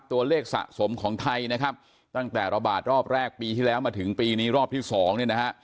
ตัวเลขสะสมของไทยนะครับตั้งแต่ระบาดรอบแรกปีที่แล้วมาถึงปีนี้รอบที่สองเนี่ยนะฮะ